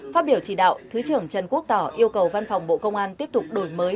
phát biểu chỉ đạo thứ trưởng trần quốc tỏ yêu cầu văn phòng bộ công an tiếp tục đổi mới